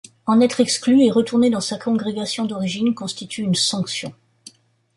En être exclu et retourner dans sa congrégation d'origine constitue une sanction.